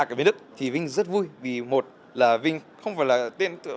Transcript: bản nhạc ở biến đức thì vinh rất vui vì một là vinh không phải là tên